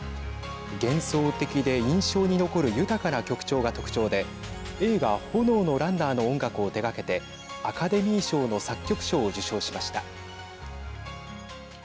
幻想的で印象に残る豊かな曲調が特徴で映画炎のランナーの音楽を手がけてアカデミー賞の作曲賞を受賞しました。